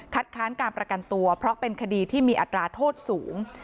ค้านการประกันตัวเพราะเป็นคดีที่มีอัตราโทษสูง